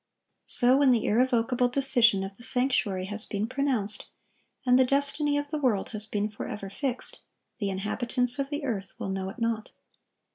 So when the irrevocable decision of the sanctuary has been pronounced, and the destiny of the world has been forever fixed, the inhabitants of the earth will know it not.